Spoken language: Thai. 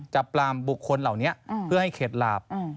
ปรามบุคคลเหล่านี้เพื่อให้เข็ดหลาบ